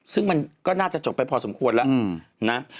ซึ่งมันก็น่าจะจบไปพอสมควรแล้วนะ